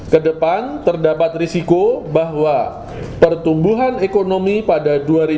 kedepan terdapat risiko bahwa pertumbuhan ekonomi pada dua ribu dua puluh